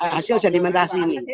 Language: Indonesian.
hasil sedimentasi ini